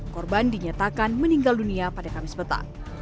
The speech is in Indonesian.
korban dinyatakan meninggal dunia pada kamis petang